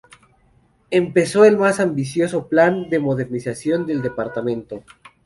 Empezó el más ambicioso plan de modernización del departamento.